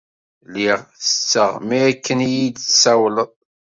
Lliɣ tetteɣ mi akken i yi-d-tsawleḍ.